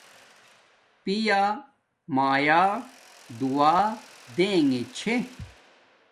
پیا مایآ دعا دیگے چھے